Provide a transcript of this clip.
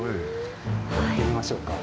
行ってみましょうか。